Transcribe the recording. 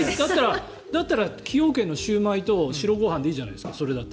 だったら崎陽軒のシウマイと白ご飯でいいじゃないですか。